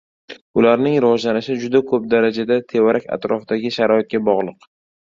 ularning rivojlanishi juda ko‘p darajada tevarak-atrofdagi sharoitga bog‘liq.